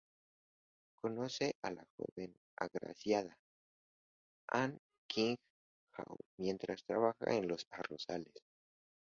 Conoce a la joven "agraciada" Han Qing-jao mientras trabaja en los arrozales.